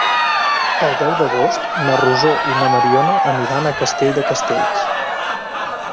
El deu d'agost na Rosó i na Mariona aniran a Castell de Castells.